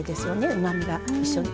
うまみが一緒に。